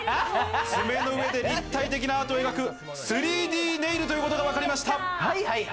爪の上で立体的なアートを描く、３Ｄネイルということが分かりました。